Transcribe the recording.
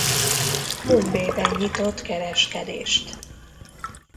Mumbaiban nyitott kereskedést.